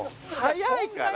速いから。